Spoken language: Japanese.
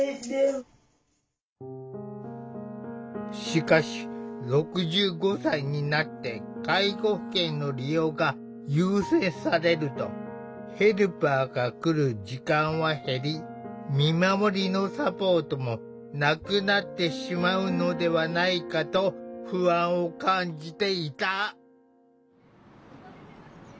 しかし６５歳になって介護保険の利用が優先されるとヘルパーが来る時間は減り「見守り」のサポートもなくなってしまうのではないかと不安を感じていた。